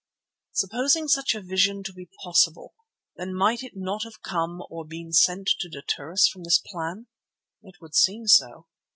Supposing such a vision to be possible, then might it not have come, or been sent to deter us from this plan? It would seem so.